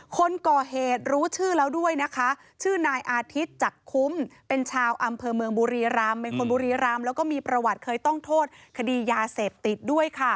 คนก่อเหตุรู้ชื่อแล้วด้วยนะคะชื่อนายอาทิตย์จักรคุ้มเป็นชาวอำเภอเมืองบุรีรำเป็นคนบุรีรำแล้วก็มีประวัติเคยต้องโทษคดียาเสพติดด้วยค่ะ